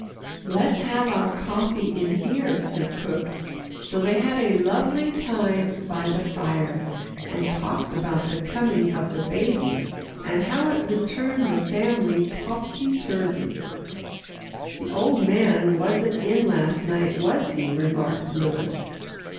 "Let's have our coffee in here," said cook, so they had a lovely time by the fire, and talked about the coming of the baby, and how it would turn the family topsy turvy. "The old man wasn't in last night, was he?" remarked Louis.